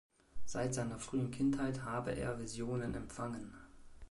Seit seiner frühen Kindheit habe er Visionen empfangen.